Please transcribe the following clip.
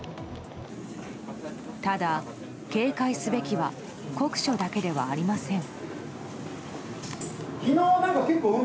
ただ、警戒すべきは酷暑だけではありません。